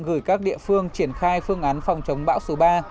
gửi các địa phương triển khai phương án phòng chống bão số ba